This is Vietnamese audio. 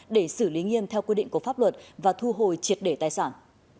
để xử lý nghiêm theo quy định của pháp luật và thu hồi triệt để tài sản